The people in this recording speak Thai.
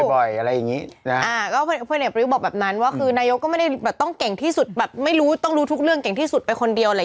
พ่อเหนียวประยุทธ์บอกแบบนั้นว่าคือนายกก็ไม่ได้ต้องรู้ทุกเรื่องเก่งที่สุดไปคนเดียว